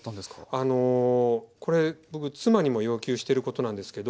あのこれ僕妻にも要求してることなんですけど。